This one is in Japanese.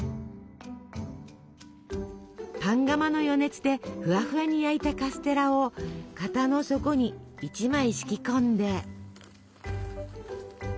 パン窯の余熱でふわふわに焼いたカステラを型の底に１枚敷き込んで。